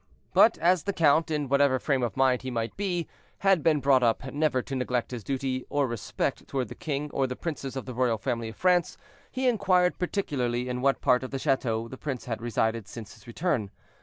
But as the count, in whatever frame of mind he might be, had been brought up never to neglect his duty or respect toward the king or the princes of the royal family of France, he inquired particularly in what part of the chateau the prince had resided since his return.